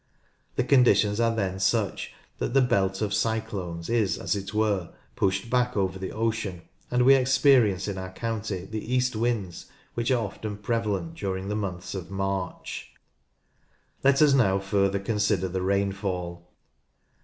The conditions are then such that the belt of cyclones is, as it were, pushed back over the ocean, and we experience in our county the east winds which are often prevalent during the month of March. Let us now further consider the rainfall.